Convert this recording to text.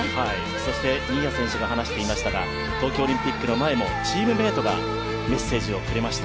そして新谷選手も離していましたが東京オリンピックの前もチームメイトがメッセージをくれました。